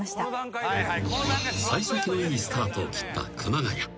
［幸先のいいスタートを切った熊谷］